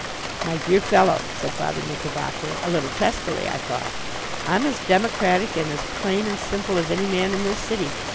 "My dear fellow," said Father Knickerbocker, a little testily I thought, "I'm as democratic and as plain and simple as any man in this city.